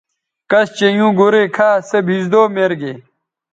کش چہء ایوں گورئ کھا سے بھیزدو میر گے